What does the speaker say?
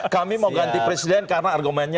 kami mau ganti presiden karena argumennya